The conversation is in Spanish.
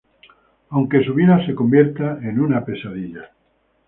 Aunque su vida se convierta en una pesadilla.